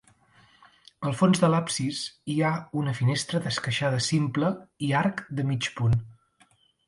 Al fons de l'absis hi ha una finestra d'esqueixada simple i arc de mig punt.